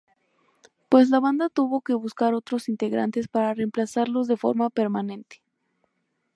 Pues la banda tuvo que buscar otros integrantes para reemplazarlos de forma permanente.